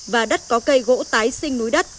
và đất có cây gỗ tái sinh núi đất